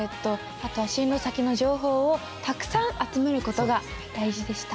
あと進路先の情報をたくさん集める事が大事でした。